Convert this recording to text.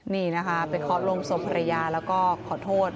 นี่นะคะไปเคาะลงศพภรรยาแล้วก็ขอโทษ